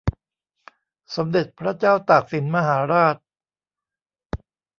สมเด็จพระเจ้าตากสินมหาราช